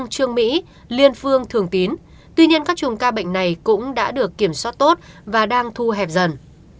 trương mỹ liên phương thường tín tuy nhiên các chùm ca bệnh này cũng đã được kiểm soát tốt và đang thu hẹp dần